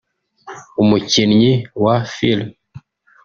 umukinnyi wa film